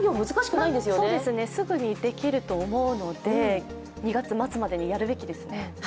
そうですね、すぐにできると思うので２月末までにやるべきですね。